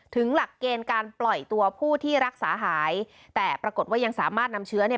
หลักเกณฑ์การปล่อยตัวผู้ที่รักษาหายแต่ปรากฏว่ายังสามารถนำเชื้อเนี่ย